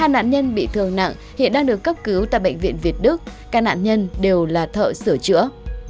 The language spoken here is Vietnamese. ba nạn nhân bị thương nặng hiện đang được cấp cứu tại bệnh viện việt đức các nạn nhân đều là thợ sửa chữa